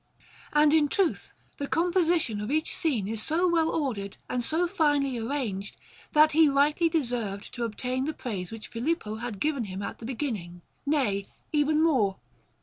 And in truth the composition of each scene is so well ordered and so finely arranged, that he rightly deserved to obtain that praise which Filippo had given him at the beginning nay, even more.